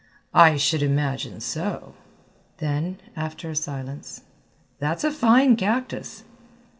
"I should imagine so." Then, after a silence, "That's a fine cactus."